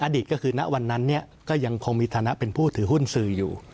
อดีตก็คือณวันนั้นก็ยังคงมีฐานะเป็นผู้ถือหุ้นสื่ออยู่